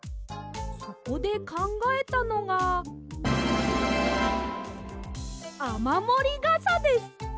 そこでかんがえたのが「あまもりがさ」です！